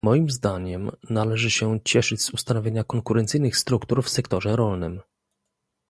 Moim zdaniem należy się cieszyć z ustanowienia konkurencyjnych struktur w sektorze rolnym